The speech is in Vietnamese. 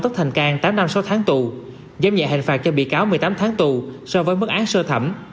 tất thành cang tám năm sáu tháng tù giam nhận hành phạt cho bị cáo một mươi tám tháng tù so với mức án sơ thẩm